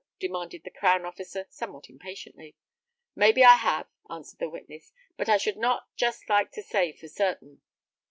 demanded the crown officer, somewhat impatiently. "Maybe I have," answered the witness; "but I should not just like to say for certain."